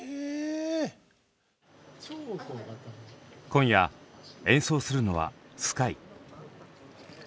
今夜演奏するのはＳＫＹＥ。